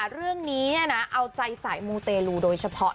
เรื่องนี้เอาใจสายมูเตลูโดยเฉพาะ